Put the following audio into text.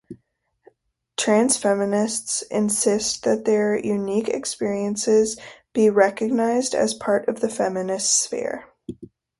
Transfeminists insist that their unique experiences be recognized as part of the feminist sphere.